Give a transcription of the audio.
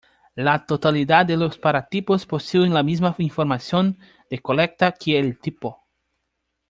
La totalidad de los paratipos poseen la misma información de colecta que el tipo.